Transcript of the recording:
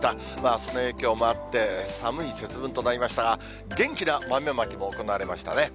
その影響もあって、寒い節分となりましたが、元気な豆まきも行われましたね。